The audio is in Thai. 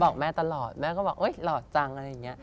บอกแม่ตลอดแม่ก็บอกโอ๊ยหลอดจังอะไรอย่างนี้